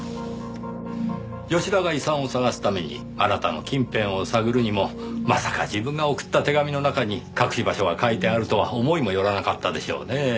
吉田が遺産を探すためにあなたの近辺を探るにもまさか自分が送った手紙の中に隠し場所が書いてあるとは思いもよらなかったでしょうねぇ。